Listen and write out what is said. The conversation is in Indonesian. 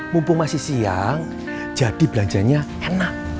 mumpung masih siang jadi belanjanya enak